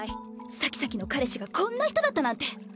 サキサキの彼氏がこんな人だったなんて。